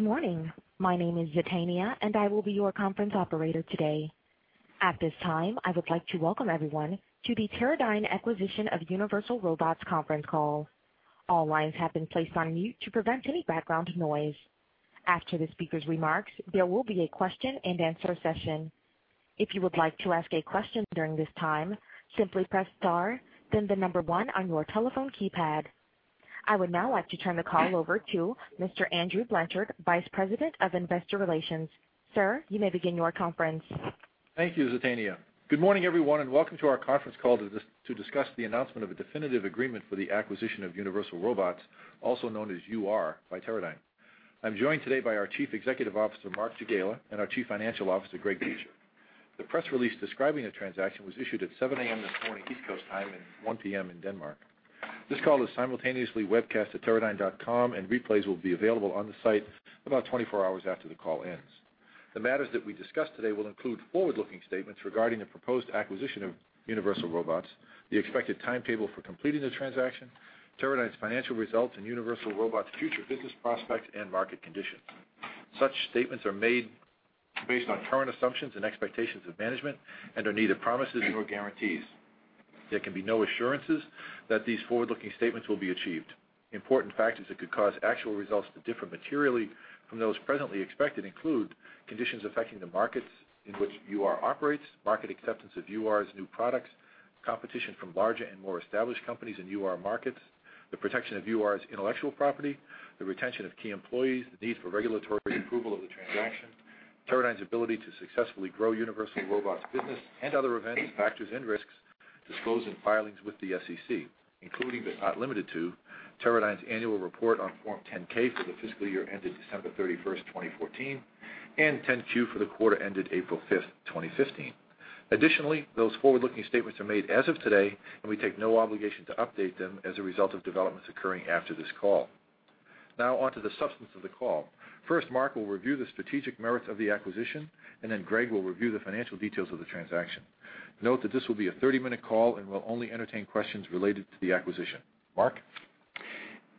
Good morning. My name is Zetania, and I will be your conference operator today. At this time, I would like to welcome everyone to the Teradyne acquisition of Universal Robots conference call. All lines have been placed on mute to prevent any background noise. After the speaker's remarks, there will be a question and answer session. If you would like to ask a question during this time, simply press star, then the number 1 on your telephone keypad. I would now like to turn the call over to Mr. Andrew Blanchard, Vice President of Investor Relations. Sir, you may begin your conference. Thank you, Zetania. Good morning, everyone, and welcome to our conference call to discuss the announcement of a definitive agreement for the acquisition of Universal Robots, also known as UR, by Teradyne. I'm joined today by our Chief Executive Officer, Mark Jagiela, and our Chief Financial Officer, Gregory Beecher. The press release describing the transaction was issued at 7:00 A.M. this morning, East Coast time, and 1:00 P.M. in Denmark. This call is simultaneously webcast at teradyne.com, and replays will be available on the site about 24 hours after the call ends. The matters that we discuss today will include forward-looking statements regarding the proposed acquisition of Universal Robots, the expected timetable for completing the transaction, Teradyne's financial results, and Universal Robots' future business prospects and market conditions. Such statements are made based on current assumptions and expectations of management and are neither promises nor guarantees. There can be no assurances that these forward-looking statements will be achieved. Important factors that could cause actual results to differ materially from those presently expected include conditions affecting the markets in which UR operates, market acceptance of UR's new products, competition from larger and more established companies in UR markets, the protection of UR's intellectual property, the retention of key employees, the need for regulatory approval of the transaction, Teradyne's ability to successfully grow Universal Robots business and other events, factors, and risks disclosed in filings with the SEC, including, but not limited to, Teradyne's annual report on Form 10-K for the fiscal year ended December 31st, 2014, and 10-Q for the quarter ended April 5th, 2015. Additionally, those forward-looking statements are made as of today. We take no obligation to update them as a result of developments occurring after this call. Now, onto the substance of the call. First, Mark will review the strategic merits of the acquisition. Then Greg will review the financial details of the transaction. Note that this will be a 30-minute call. We'll only entertain questions related to the acquisition. Mark?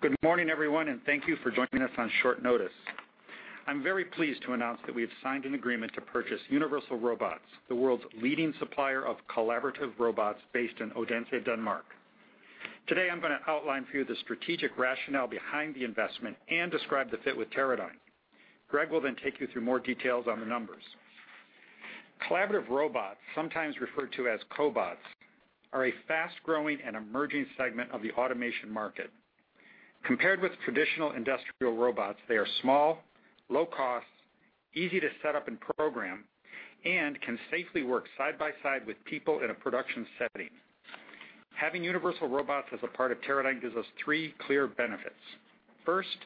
Good morning, everyone, and thank you for joining us on short notice. I'm very pleased to announce that we have signed an agreement to purchase Universal Robots, the world's leading supplier of collaborative robots based in Odense, Denmark. Today, I'm going to outline for you the strategic rationale behind the investment and describe the fit with Teradyne. Greg will take you through more details on the numbers. Collaborative robots, sometimes referred to as cobots, are a fast-growing and emerging segment of the automation market. Compared with traditional industrial robots, they are small, low cost, easy to set up and program, and can safely work side by side with people in a production setting. Having Universal Robots as a part of Teradyne gives us three clear benefits. First,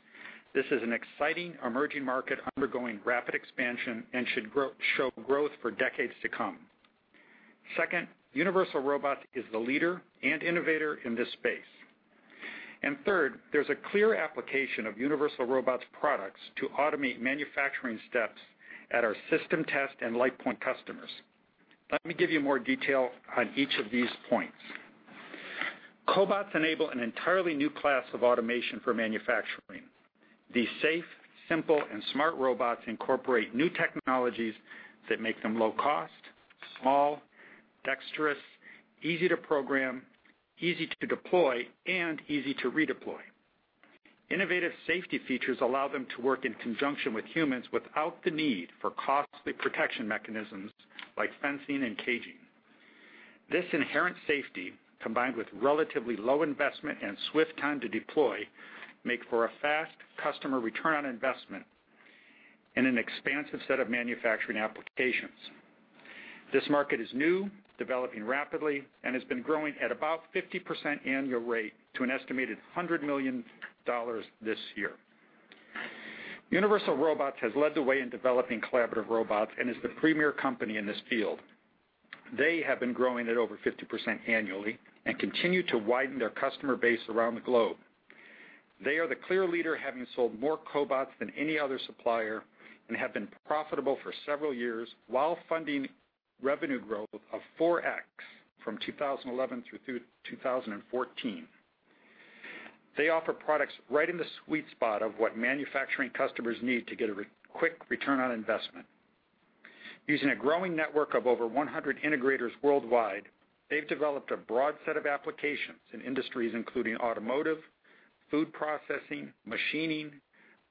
this is an exciting emerging market undergoing rapid expansion and should show growth for decades to come. Second, Universal Robots is the leader and innovator in this space. Third, there's a clear application of Universal Robots products to automate manufacturing steps at our system test and LitePoint customers. Let me give you more detail on each of these points. Cobots enable an entirely new class of automation for manufacturing. These safe, simple, and smart robots incorporate new technologies that make them low cost, small, dexterous, easy to program, easy to deploy, and easy to redeploy. Innovative safety features allow them to work in conjunction with humans without the need for costly protection mechanisms like fencing and caging. This inherent safety, combined with relatively low investment and swift time to deploy, make for a fast customer return on investment in an expansive set of manufacturing applications. This market is new, developing rapidly, and has been growing at about 50% annual rate to an estimated $100 million this year. Universal Robots has led the way in developing collaborative robots and is the premier company in this field. They have been growing at over 50% annually and continue to widen their customer base around the globe. They are the clear leader, having sold more cobots than any other supplier and have been profitable for several years while funding revenue growth of 4X from 2011 through 2014. They offer products right in the sweet spot of what manufacturing customers need to get a quick return on investment. Using a growing network of over 100 integrators worldwide, they've developed a broad set of applications in industries including automotive, food processing, machining,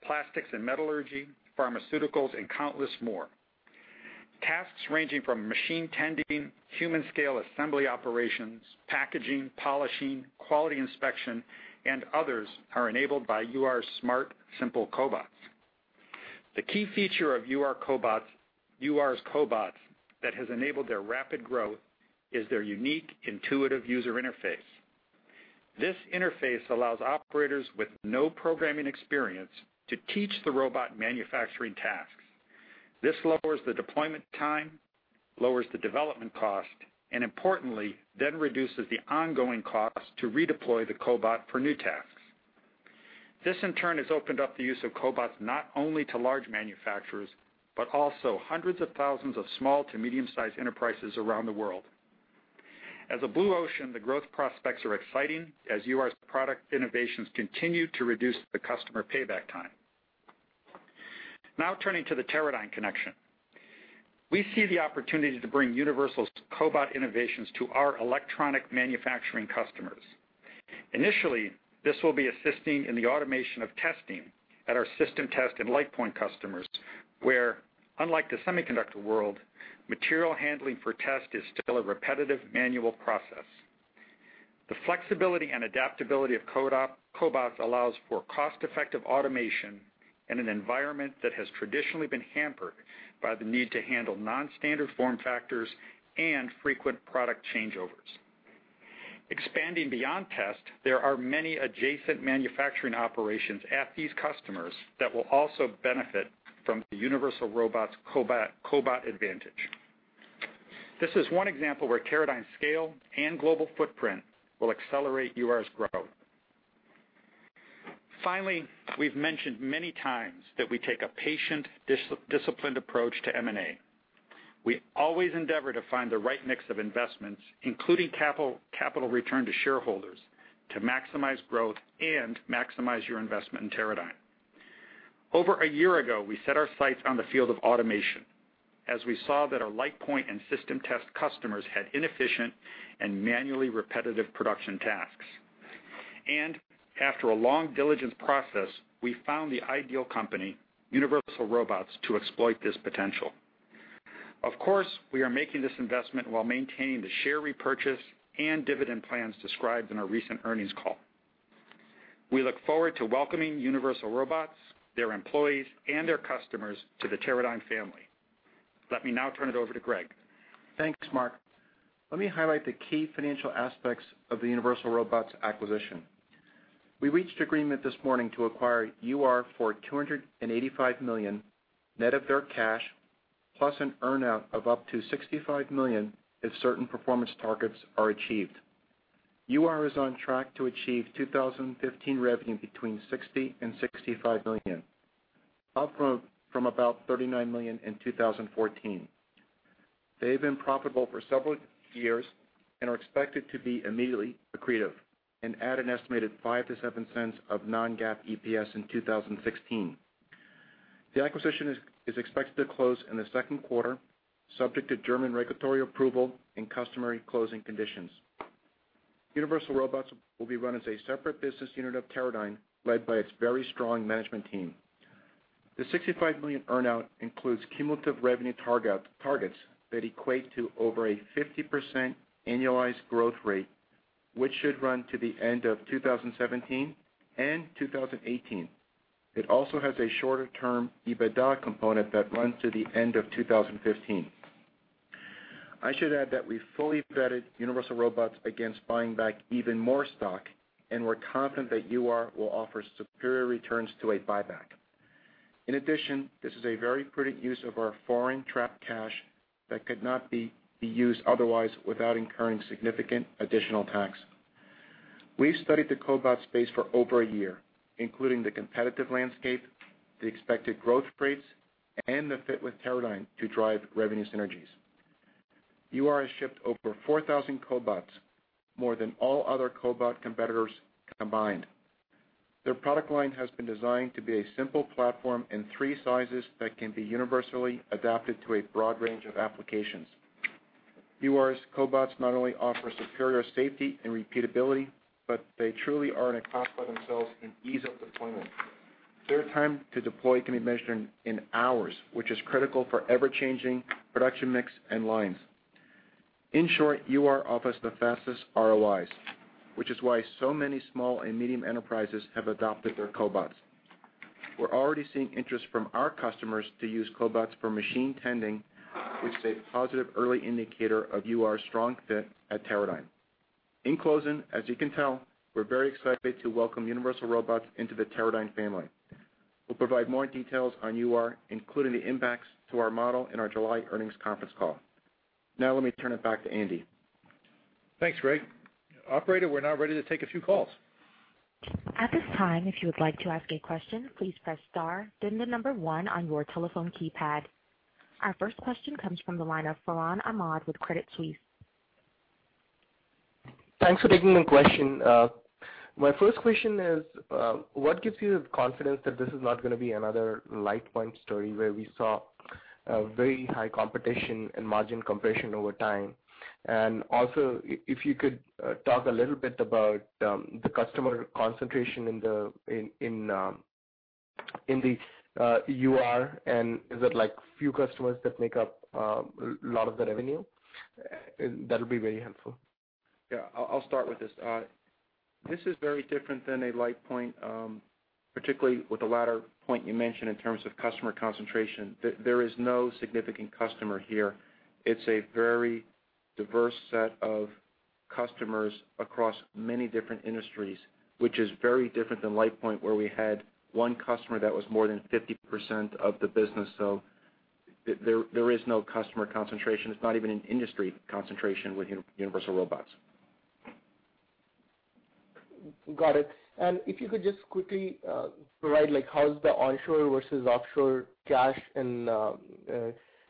plastics and metallurgy, pharmaceuticals, and countless more. Tasks ranging from machine tending, human-scale assembly operations, packaging, polishing, quality inspection, and others are enabled by UR's smart, simple cobots. The key feature of UR's cobots that has enabled their rapid growth is their unique, intuitive user interface. This interface allows operators with no programming experience to teach the robot manufacturing tasks. This lowers the deployment time, lowers the development cost, and importantly, reduces the ongoing cost to redeploy the cobot for new tasks. This, in turn, has opened up the use of cobots not only to large manufacturers, but also hundreds of thousands of small to medium-sized enterprises around the world. As a blue ocean, the growth prospects are exciting as UR's product innovations continue to reduce the customer payback time. Turning to the Teradyne connection. We see the opportunity to bring Universal's cobot innovations to our electronic manufacturing customers. Initially, this will be assisting in the automation of testing at our system test and LitePoint customers, where, unlike the semiconductor world, material handling for test is still a repetitive manual process. The flexibility and adaptability of cobots allows for cost-effective automation in an environment that has traditionally been hampered by the need to handle non-standard form factors and frequent product changeovers. Expanding beyond test, there are many adjacent manufacturing operations at these customers that will also benefit from the Universal Robots cobot advantage. This is one example where Teradyne's scale and global footprint will accelerate UR's growth. Finally, we've mentioned many times that we take a patient, disciplined approach to M&A. We always endeavor to find the right mix of investments, including capital return to shareholders, to maximize growth and maximize your investment in Teradyne. Over a year ago, we set our sights on the field of automation as we saw that our LitePoint and system test customers had inefficient and manually repetitive production tasks. After a long diligence process, we found the ideal company, Universal Robots, to exploit this potential. Of course, we are making this investment while maintaining the share repurchase and dividend plans described in our recent earnings call. We look forward to welcoming Universal Robots, their employees, and their customers to the Teradyne family. Let me now turn it over to Greg. Thanks, Mark. Let me highlight the key financial aspects of the Universal Robots acquisition. We reached agreement this morning to acquire UR for $285 million net of their cash, plus an earn-out of up to $65 million if certain performance targets are achieved. UR is on track to achieve 2015 revenue between $60 million and $65 million, up from about $39 million in 2014. They've been profitable for several years and are expected to be immediately accretive and add an estimated $0.05-$0.07 of non-GAAP EPS in 2016. The acquisition is expected to close in the second quarter, subject to German regulatory approval and customary closing conditions. Universal Robots will be run as a separate business unit of Teradyne, led by its very strong management team. The $65 million earn-out includes cumulative revenue targets that equate to over a 50% annualized growth rate, which should run to the end of 2017 and 2018. It also has a shorter-term EBITDA component that runs to the end of 2015. I should add that we fully vetted Universal Robots against buying back even more stock, and we're confident that UR will offer superior returns to a buyback. In addition, this is a very prudent use of our foreign trapped cash that could not be used otherwise without incurring significant additional tax. We studied the cobot space for over a year, including the competitive landscape, the expected growth rates, and the fit with Teradyne to drive revenue synergies. UR has shipped over 4,000 cobots, more than all other cobot competitors combined. Their product line has been designed to be a simple platform in three sizes that can be universally adapted to a broad range of applications. UR's cobots not only offer superior safety and repeatability, but they truly are in a class by themselves in ease of deployment. Their time to deploy can be measured in hours, which is critical for ever-changing production mix and lines. In short, UR offers the fastest ROIs, which is why so many small and medium enterprises have adopted their cobots. We're already seeing interest from our customers to use cobots for machine tending, which is a positive early indicator of UR's strong fit at Teradyne. In closing, as you can tell, we're very excited to welcome Universal Robots into the Teradyne family. We'll provide more details on UR, including the impacts to our model in our July earnings conference call. Now let me turn it back to Andy. Thanks, Greg. Operator, we're now ready to take a few calls. At this time, if you would like to ask a question, please press star, then the number one on your telephone keypad. Our first question comes from the line of Farhan Ahmad with Credit Suisse. Thanks for taking my question. My first question is, what gives you the confidence that this is not going to be another LitePoint story where we saw very high competition and margin compression over time? Also, if you could talk a little bit about the customer concentration in the UR, and is it few customers that make up a lot of the revenue? That'll be very helpful. Yeah, I'll start with this. This is very different than a LitePoint, particularly with the latter point you mentioned in terms of customer concentration. There is no significant customer here. It's a very diverse set of customers across many different industries, which is very different than LitePoint where we had one customer that was more than 50% of the business. There is no customer concentration. It's not even an industry concentration with Universal Robots. Got it. If you could just quickly provide how's the onshore versus offshore cash and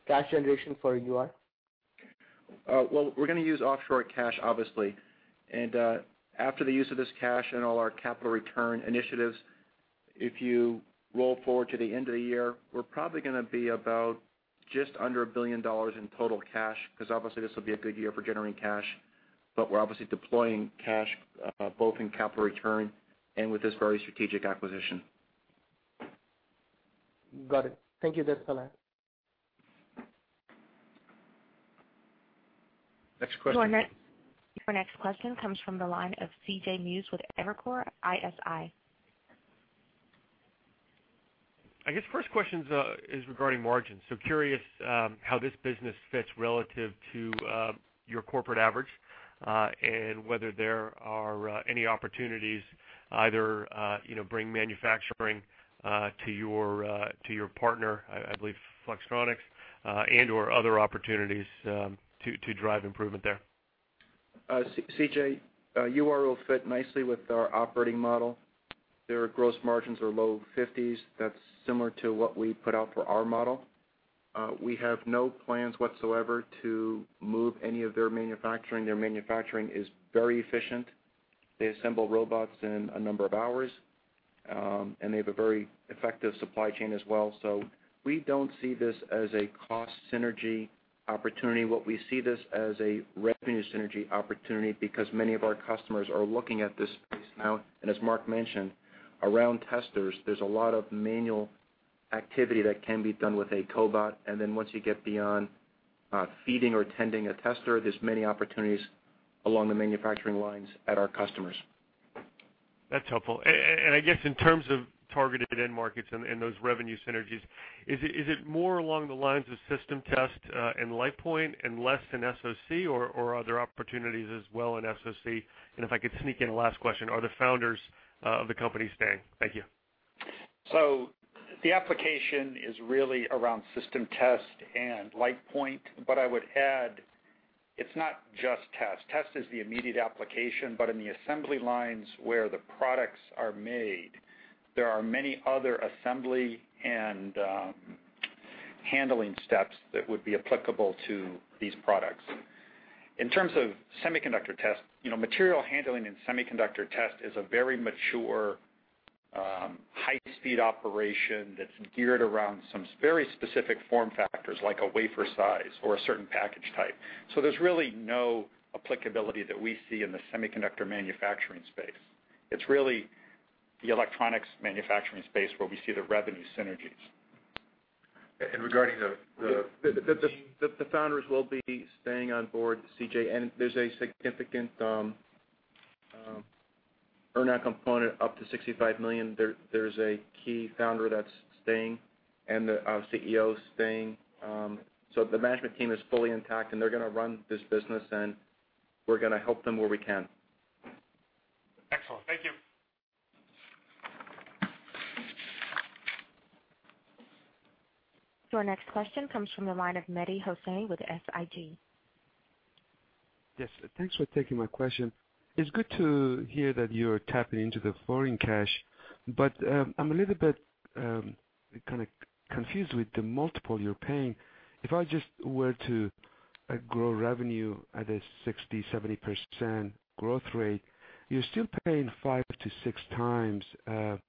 cash generation for UR? Well, we're going to use offshore cash, obviously. After the use of this cash and all our capital return initiatives, if you roll forward to the end of the year, we're probably going to be about just under $1 billion in total cash, because obviously this will be a good year for generating cash. We're obviously deploying cash both in capital return and with this very strategic acquisition. Got it. Thank you. That's the last. Next question. Your next question comes from the line of CJ Muse with Evercore ISI. I guess first question is regarding margins. Curious how this business fits relative to your corporate average, and whether there are any opportunities either bring manufacturing to your partner, I believe Flextronics, and/or other opportunities to drive improvement there. CJ, UR will fit nicely with our operating model. Their gross margins are low 50s. That's similar to what we put out for our model. We have no plans whatsoever to move any of their manufacturing. Their manufacturing is very efficient. They assemble robots in a number of hours, and they have a very effective supply chain as well. We don't see this as a cost synergy opportunity. What we see this as a revenue synergy opportunity because many of our customers are looking at this space now, and as Mark mentioned, around testers, there's a lot of manual activity that can be done with a cobot. Then once you get beyond feeding or tending a tester, there's many opportunities along the manufacturing lines at our customers. That's helpful. I guess in terms of targeted end markets and those revenue synergies, is it more along the lines of system test and LitePoint and less in SoC or are there opportunities as well in SoC? If I could sneak in a last question, are the founders of the company staying? Thank you. The application is really around system test and LitePoint, but I would add, it's not just test. Test is the immediate application, but in the assembly lines where the products are made, there are many other assembly and handling steps that would be applicable to these products. In terms of semiconductor test, material handling in semiconductor test is a very mature, high-speed operation that's geared around some very specific form factors, like a wafer size or a certain package type. There's really no applicability that we see in the semiconductor manufacturing space. It's really the electronics manufacturing space where we see the revenue synergies. Regarding the The founders will be staying on board, CJ, and there's a significant earn out component up to $65 million. There's a key founder that's staying, and our CEO's staying. The management team is fully intact, and they're going to run this business, and we're going to help them where we can. Excellent. Thank you. Your next question comes from the line of Mehdi Hosseini with SIG. Yes. Thanks for taking my question. It's good to hear that you're tapping into the foreign cash. I'm a little bit kind of confused with the multiple you're paying. If I just were to grow revenue at a 60%, 70% growth rate, you're still paying 5x-6x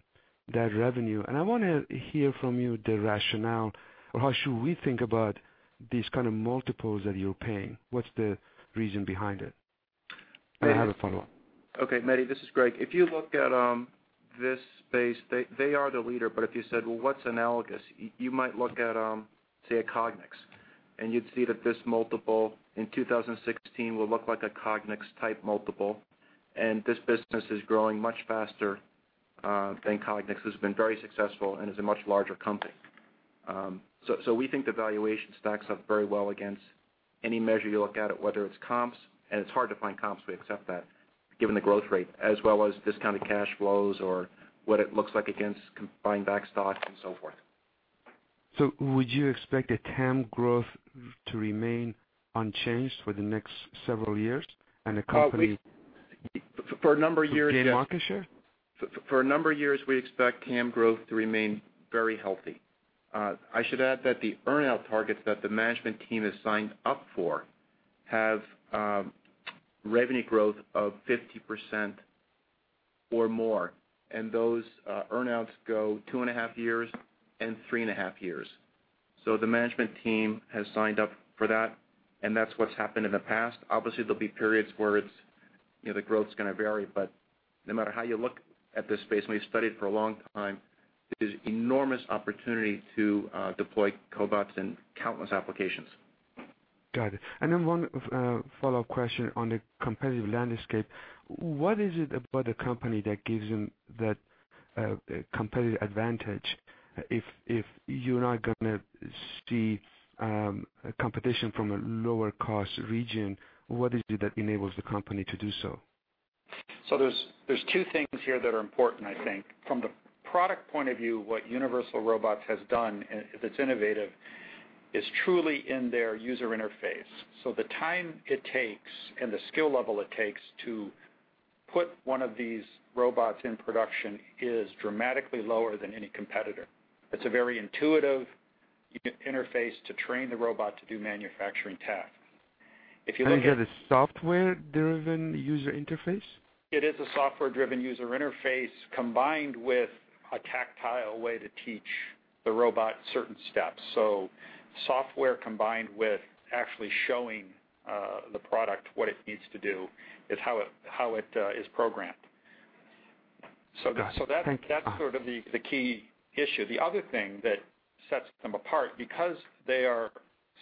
that revenue. I want to hear from you the rationale or how should we think about these kind of multiples that you're paying? What's the reason behind it? I have a follow-up. Mehdi, this is Greg. If you look at this space, they are the leader, but if you said, "Well, what's analogous?" You might look at, say, a Cognex, and you'd see that this multiple in 2016 will look like a Cognex type multiple, and this business is growing much faster than Cognex, who's been very successful and is a much larger company. We think the valuation stacks up very well against any measure you look at it, whether it's comps, and it's hard to find comps, we accept that, given the growth rate, as well as discounted cash flows or what it looks like against combined back stock and so forth. Would you expect the TAM growth to remain unchanged for the next several years and the company- For a number of years- To gain market share? For a number of years, we expect TAM growth to remain very healthy. I should add that the earn-out targets that the management team has signed up for have revenue growth of 50% or more, and those earn-outs go two and a half years and three and a half years. The management team has signed up for that, and that's what's happened in the past. Obviously, there'll be periods where the growth's going to vary, but no matter how you look at this space, and we've studied it for a long time, there's enormous opportunity to deploy cobots in countless applications. Got it. One follow-up question on the competitive landscape. What is it about the company that gives them that competitive advantage? If you're not going to see competition from a lower cost region, what is it that enables the company to do so? There's two things here that are important, I think. From the product point of view, what Universal Robots has done, if it's innovative, is truly in their user interface. The time it takes and the skill level it takes to put one of these robots in production is dramatically lower than any competitor. It's a very intuitive interface to train the robot to do manufacturing tasks. Is that a software-driven user interface? It is a software-driven user interface combined with a tactile way to teach the robot certain steps. Software combined with actually showing the product what it needs to do is how it is programmed. Got it. Thank you. That's sort of the key issue. The other thing that sets them apart, because they are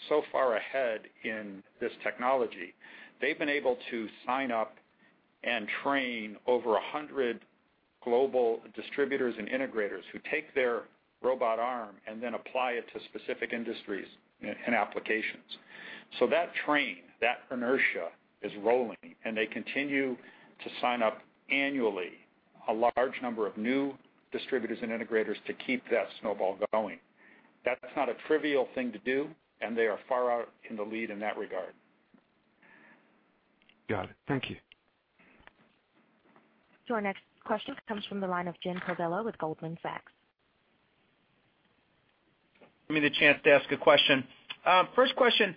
so far ahead in this technology, they've been able to sign up and train over 100 global distributors and integrators who take their robot arm and then apply it to specific industries and applications. That train, that inertia, is rolling, and they continue to sign up annually a large number of new distributors and integrators to keep that snowball going. That's not a trivial thing to do, and they are far out in the lead in that regard. Got it. Thank you. Your next question comes from the line of James Covello with Goldman Sachs. Give me the chance to ask a question. First question.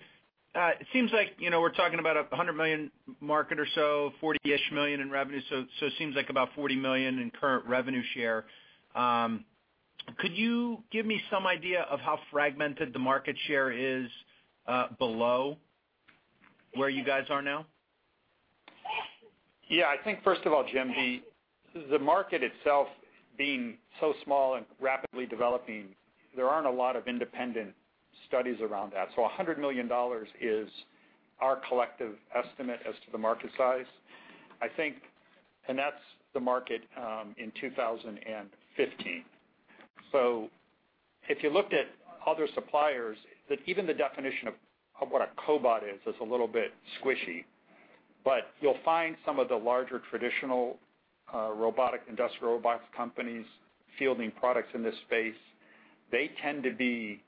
It seems like, we're talking about a $100 million market or so, $40-ish million in revenue, seems like about $40 million in current revenue share. Could you give me some idea of how fragmented the market share is below where you guys are now? Yeah, I think first of all, Jim, the market itself being so small and rapidly developing, there aren't a lot of independent studies around that. $100 million is our collective estimate as to the market size. That's the market in 2015. If you looked at other suppliers, even the definition of what a cobot is a little bit squishy. You'll find some of the larger traditional robotic industrial robots companies fielding products in this space. They tend to be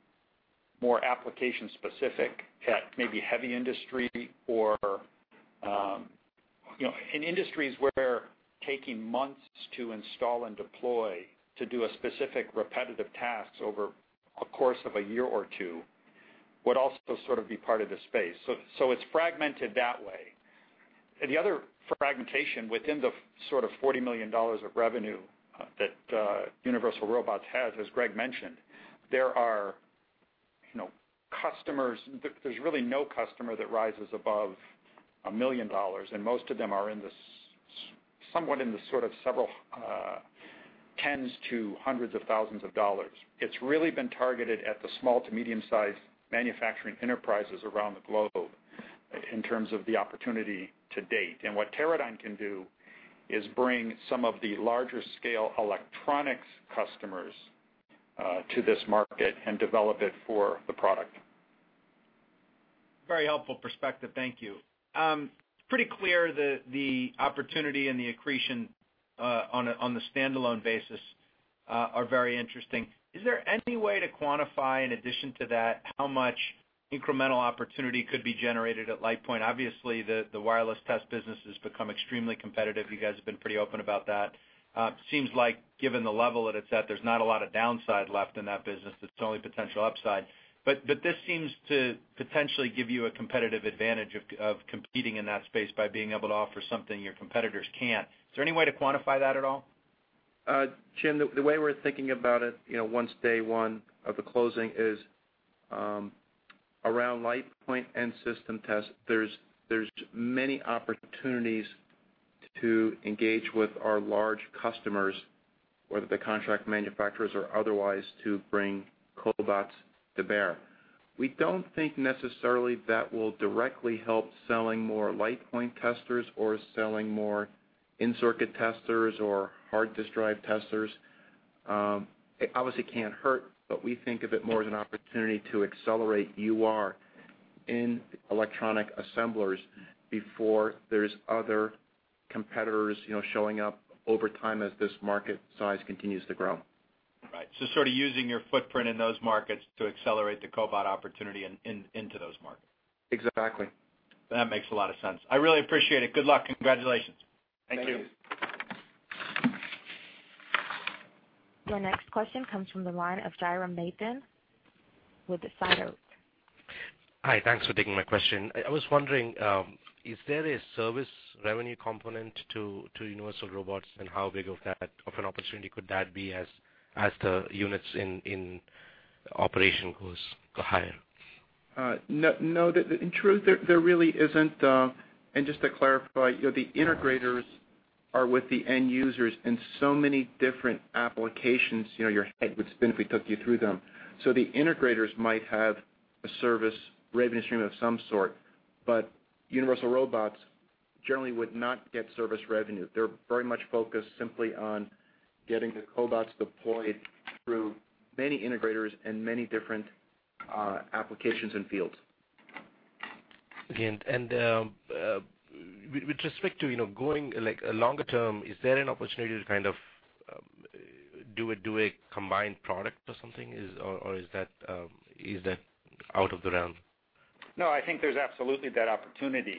more application specific at maybe heavy industry or, in industries where taking months to install and deploy to do a specific repetitive task over a course of a year or two would also sort of be part of the space. It's fragmented that way. The other fragmentation within the sort of $40 million of revenue that Universal Robots has, as Greg mentioned, there's really no customer that rises above $1 million, and most of them are somewhat in the sort of several tens to hundreds of thousands of dollars. It's really been targeted at the small to medium-sized manufacturing enterprises around the globe in terms of the opportunity to date. What Teradyne can do is bring some of the larger scale electronics customers to this market and develop it for the product. Very helpful perspective. Thank you. Pretty clear the opportunity and the accretion on the standalone basis are very interesting. Is there any way to quantify, in addition to that, how much incremental opportunity could be generated at LitePoint? Obviously, the wireless test business has become extremely competitive. You guys have been pretty open about that. Seems like given the level that it's at, there's not a lot of downside left in that business. It's only potential upside. This seems to potentially give you a competitive advantage of competing in that space by being able to offer something your competitors can't. Is there any way to quantify that at all? Jim, the way we're thinking about it, once day one of the closing is around LitePoint and system test, there's many opportunities to engage with our large customers, whether they're contract manufacturers or otherwise, to bring cobots to bear. We don't think necessarily that will directly help selling more LitePoint testers or selling more in-circuit testers or hard disk drive testers. It obviously can't hurt. We think of it more as an opportunity to accelerate UR in electronic assemblers before there's other competitors showing up over time as this market size continues to grow. Right. Sort of using your footprint in those markets to accelerate the cobot opportunity into those markets. Exactly. That makes a lot of sense. I really appreciate it. Good luck. Congratulations. Thank you. Your next question comes from the line of Jairam Nathan. Hi. Thanks for taking my question. I was wondering, is there a service revenue component to Universal Robots, and how big of an opportunity could that be as the units in operation goes higher? No. In truth, there really isn't. Just to clarify, the integrators are with the end users in so many different applications, your head would spin if we took you through them. The integrators might have a service revenue stream of some sort, but Universal Robots generally would not get service revenue. They're very much focused simply on getting the cobots deployed through many integrators and many different applications and fields. With respect to going longer term, is there an opportunity to do a combined product or something? Is that out of the realm? No, I think there's absolutely that opportunity.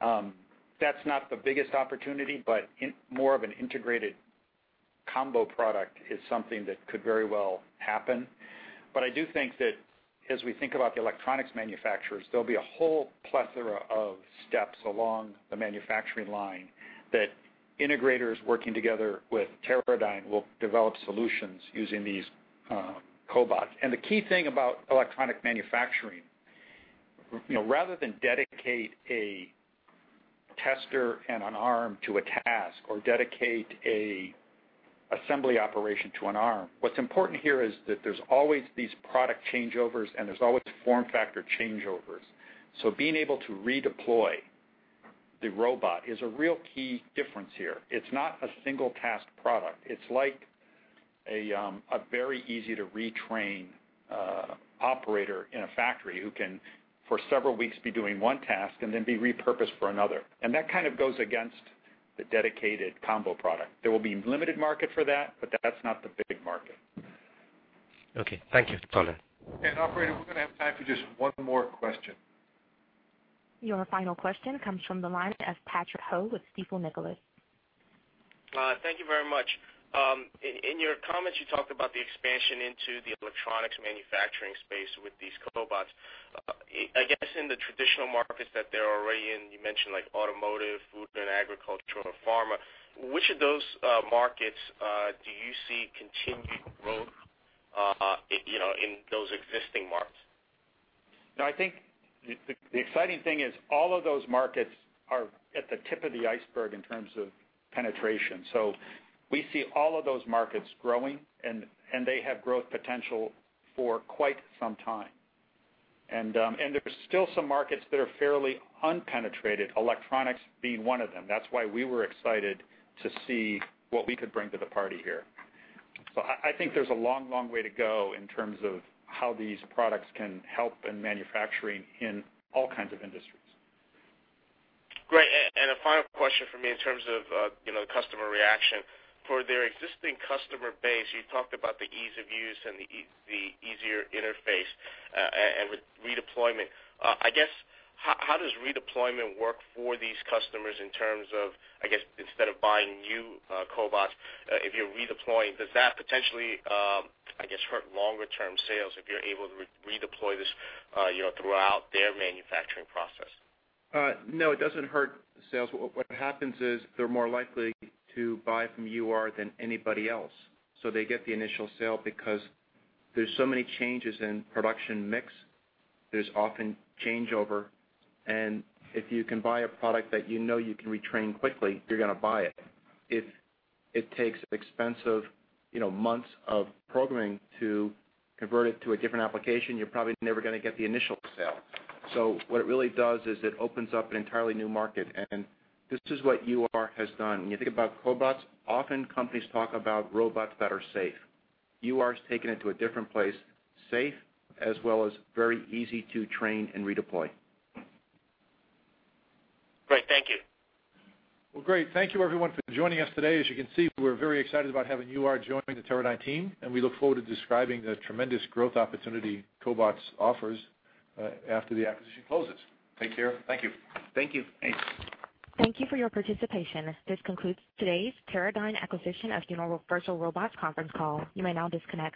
That's not the biggest opportunity, more of an integrated combo product is something that could very well happen. I do think that as we think about the electronics manufacturers, there'll be a whole plethora of steps along the manufacturing line that integrators working together with Teradyne will develop solutions using these cobots. The key thing about electronic manufacturing, rather than dedicate a tester and an arm to a task, or dedicate a assembly operation to an arm, what's important here is that there's always these product changeovers, and there's always form factor changeovers. Being able to redeploy the robot is a real key difference here. It's not a single task product. It's like a very easy-to-retrain operator in a factory who can, for several weeks, be doing one task and then be repurposed for another. That kind of goes against the dedicated combo product. There will be limited market for that, but that's not the big market. Okay. Thank you, [Jairam]. Operator, we're going to have time for just one more question. Your final question comes from the line of Patrick Ho with Stifel Nicolaus. Thank you very much. In your comments, you talked about the expansion into the electronics manufacturing space with these cobots. I guess in the traditional markets that they're already in, you mentioned automotive, food and agricultural, and pharma. Which of those markets do you see continued growth in those existing markets? I think the exciting thing is all of those markets are at the tip of the iceberg in terms of penetration. We see all of those markets growing, and they have growth potential for quite some time. There are still some markets that are fairly unpenetrated, electronics being one of them. That's why we were excited to see what we could bring to the party here. I think there's a long way to go in terms of how these products can help in manufacturing in all kinds of industries. Great. A final question from me in terms of customer reaction. For their existing customer base, you talked about the ease of use and the easier interface, and with redeployment. I guess, how does redeployment work for these customers in terms of, I guess, instead of buying new cobots, if you're redeploying, does that potentially, I guess, hurt longer-term sales if you're able to redeploy this throughout their manufacturing process? No, it doesn't hurt sales. What happens is they're more likely to buy from UR than anybody else. They get the initial sale because there's so many changes in production mix, there's often changeover, and if you can buy a product that you know you can retrain quickly, you're going to buy it. If it takes expensive months of programming to convert it to a different application, you're probably never gonna get the initial sale. What it really does is it opens up an entirely new market, and this is what UR has done. When you think about cobots, often companies talk about robots that are safe. UR has taken it to a different place, safe, as well as very easy to train and redeploy. Great. Thank you. Well, great. Thank you everyone for joining us today. As you can see, we're very excited about having UR join the Teradyne team. We look forward to describing the tremendous growth opportunity cobots offers after the acquisition closes. Take care. Thank you. Thank you. Thanks. Thank you for your participation. This concludes today's Teradyne acquisition of Universal Robots conference call. You may now disconnect.